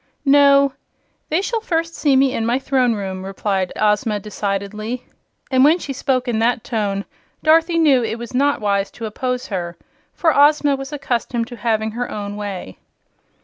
"No; they shall first see me in my Throne Room," replied Ozma, decidedly; and when she spoke in that tone Dorothy knew it was not wise to oppose her, for Ozma was accustomed to having her own way.